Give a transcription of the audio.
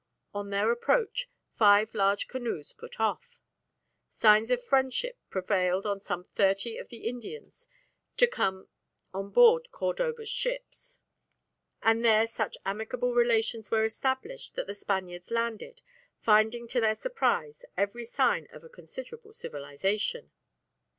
On their approach five large canoes put off. Signs of friendship prevailed on some thirty of the Indians to come on board Cordoba's ships, and there such amicable relations were established that the Spaniards landed, finding to their surprise every sign of a considerable civilisation.